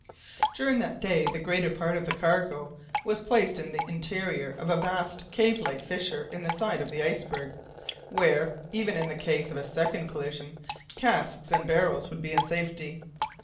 During that day the greater part of the cargo was placed in the interior of a vast cave like fissure in the side of the iceberg, where, even in case of a second collision, casks and barrels would be in safety.